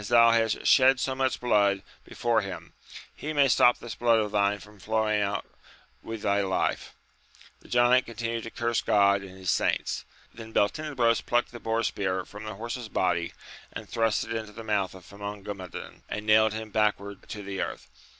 thou hast shed so much blood before him, he may stop this blood of thine from flowing out with thy life : the giant continued to curse God and his saints ; then Beltenebros plucked the boar spear from the horse's body, and thrust it into the mouth of Famongomadan, and nailed him backward to the earth.